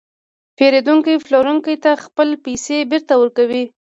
پېرودونکی پلورونکي ته خپلې پیسې بېرته ورکوي